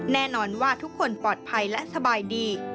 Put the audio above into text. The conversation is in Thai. แน่นอนว่าทุกคนปลอดภัยและสบายดี